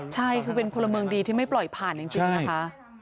ใช่คือเป็นพลเมืองดีที่ไม่ปล่อยผ่านจริงนะคะ